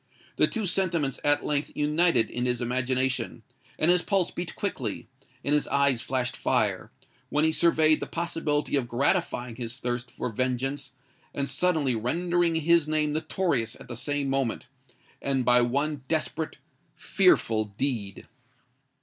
The two sentiments at length united in his imagination; and his pulse beat quickly—and his eyes flashed fire, when he surveyed the possibility of gratifying his thirst for vengeance and suddenly rendering his name notorious at the same moment, and by one desperate—fearful deed!